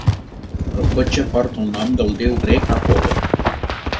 El cotxe porta el nom del déu grec Apol·lo.